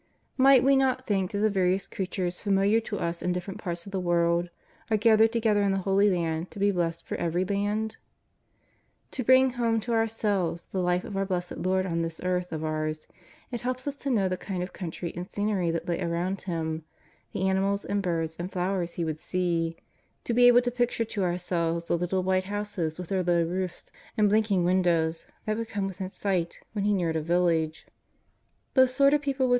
Might we not think that the various creatures familiar to us in different parts of the world are gath ered together in the Holy Land to be blessed for every land ? To bring home to ourselves the Life of our Plessed Lord on this earth of ours, it helps us to know the kind of country and scenery that lay around Tlim, the ani mals and birds and flowers He would see ; to be able to picture to ourselves the little white houses with their low roofs and blinking windows that would come within sight when He neared a village ; the sort of people with JESUS OF NAZARETH.